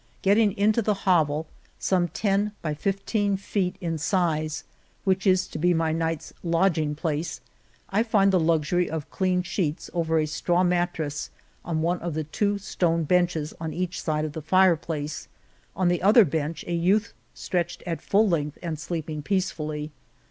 Getting into the hovel, some ten by fifteen feet in size, which is to be my night's lodging place, I find the luxury of clean sheets over a straw mattress on one of the two stone benches on each side of the fire place ; on the other bench a youth stretched at full length and sleeping peacefully.